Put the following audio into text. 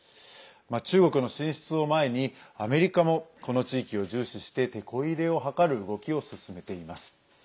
中国の進出を前に、アメリカもこの地域を重視しててこ入れを図る動きを進めています。